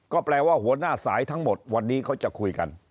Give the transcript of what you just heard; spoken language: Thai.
ก็แปลว่าหัวหน้าสายทั้งหมดวันนี้เขาจะคุยกัน